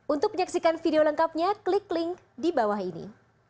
untuk menyaksikan video lengkapnya klik link di bawah ini